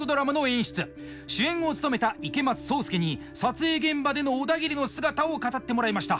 主演を務めた池松壮亮に撮影現場でのオダギリの姿を語ってもらいました。